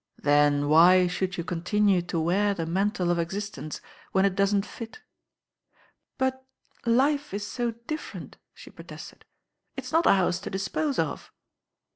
Then why should you continue to wear the mantle of existence when it doesn't fit?" "But life is so diflferent," the protested. "It's not ours to dispose of."